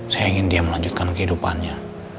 saya ingin dia melanjutkan kehidupannya